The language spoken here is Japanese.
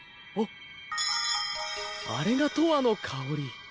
あれが「とわのかおり」。